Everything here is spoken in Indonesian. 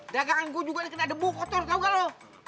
dagangan gue juga dikena debu kotor tau gak lo